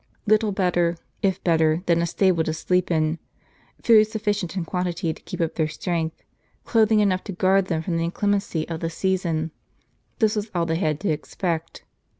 Little better, if better, than a stable to sleep in, food sufficient in quantity to keep up their strength, clothing enough to guard them from the inclemency of the season, this was all they had to expect.